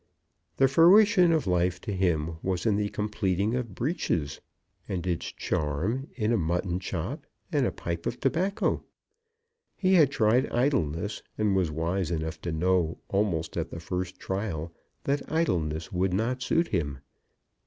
The fruition of life to him was in the completing of breeches, and its charm in a mutton chop and a pipe of tobacco. He had tried idleness, and was wise enough to know almost at the first trial that idleness would not suit him.